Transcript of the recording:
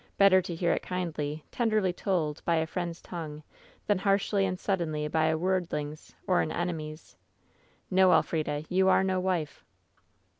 Better to hear it kindly, tenderly told by a friend's ton^e than harshly and suddenly by a word ling's or an enemy's. No, Elfrida ! You are no wife.'